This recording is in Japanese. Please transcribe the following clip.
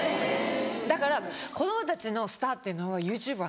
だから子供たちのスターっていうのはＹｏｕＴｕｂｅｒなの。